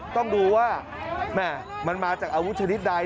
ต้องดูว่ามันมาจากอาวุธชนิดใด